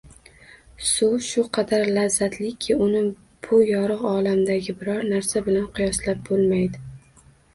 Suv shu qadar lazzatliki, uni bu yorug‘ olamdagi biror narsa bilan qiyoslab bo‘lmaydi